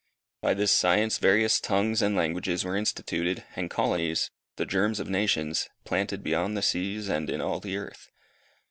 By this science various tongues and languages were instituted, and colonies the germs of nations, planted beyond the seas and in all the earth.